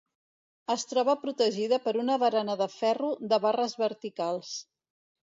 Es troba protegida per una barana de ferro de barres verticals.